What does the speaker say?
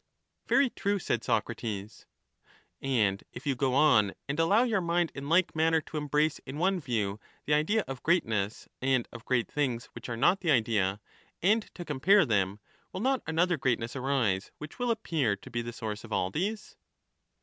Very true, said Socrates. And if you go on and allow your mind in like manner to But the embrace in one view the idea of greatness and of .grjgjit ^^^^"* things which are not the idea, and to compare them, will not ticuiars another greatness arise, which will appear to be the source J^*^^ of all these?